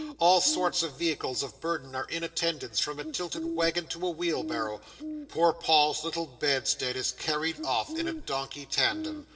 All sorts of vehicles of burden are in attendance, from a tilted waggon to a wheelbarrow. Poor Paul's little bedstead is carried off in a donkey tandem.